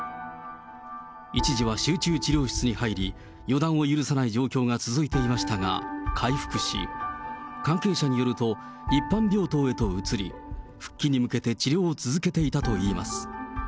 一時は集中治療室に入り、予断を許さない状況が続いていましたが回復し、関係者によると、一般病棟へと移り、復帰に向けて治療を続けていたといいます。